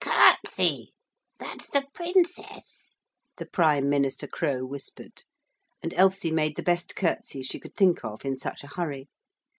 'Curtsey! That's the Princess,' the Prime Minister Crow whispered; and Elsie made the best curtsey she could think of in such a hurry.